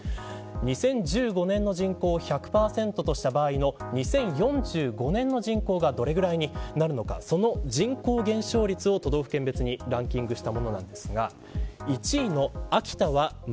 ２０１５年の人口を１００％とした場合の２０４５年の人口がどれぐらいになるのかその人口減少率を都道府県別にランキングしました。